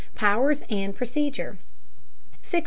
POWERS AND PROCEDURE 613.